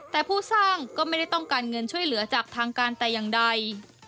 แต่ผู้สร้างก็ไม่ได้ต้องการเงินช่วยเหลือจากทางการแต่อย่างใด